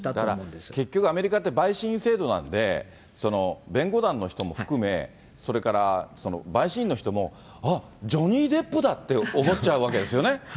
結局アメリカって、陪審員制度なんで弁護団の人も含め、それから陪審員の人も、あっ、ジョニー・デップだって思っちゃうわけですよね。